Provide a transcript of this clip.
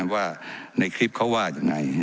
ไม่ได้เป็นประธานคณะกรุงตรี